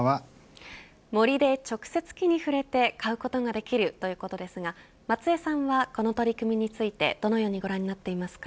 森で直接木に触れて買うことができるということですが松江さんはこの取り組みについてどのようにご覧になっていますか。